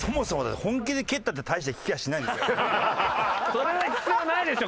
それ言う必要ないでしょ！